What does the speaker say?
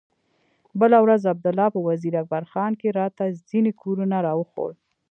بله ورځ عبدالله په وزير اکبر خان کښې راته ځينې کورونه راوښوول.